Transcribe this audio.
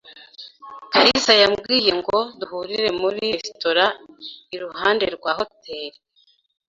kalisa yambwiye ngo duhurire muri resitora iruhande rwa hoteri.